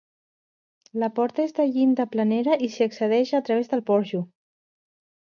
La porta és de llinda planera i s'hi accedeix a través del porxo.